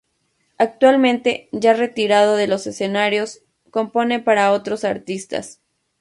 Actualmente, ya retirado de los escenarios, compone para otros artistas.